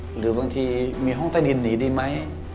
หรือบางทีมีห้องใต้ดินหนีดีไหม